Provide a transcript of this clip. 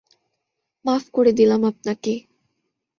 মাফ করে দিলাম আপনাকে।